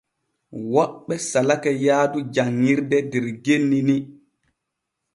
Woɓɓe salake yaadu janŋirde der genni ni.